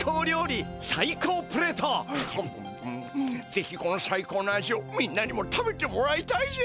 ぜひこのサイコーの味をみんなにも食べてもらいたいぜ。